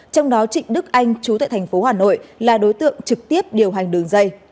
trong đó trịnh đức anh chú tại thành phố hà nội là đối tượng trực tiếp điều hành đường dây